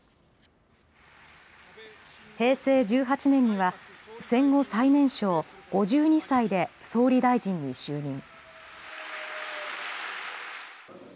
平成１８年には戦後最年少、５２歳で総理大臣に就任。